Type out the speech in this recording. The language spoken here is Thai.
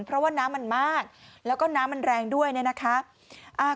เพราะว่าน้ำมันมากแล้วก็น้ำมันแรงด้วยเนี่ยนะคะ